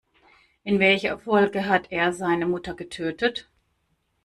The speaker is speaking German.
In welcher Folge hat er seine Mutter getötet?